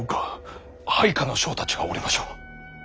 配下の将たちがおりましょう。